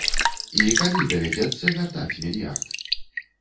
І калі давядзецца вяртаць мільярд?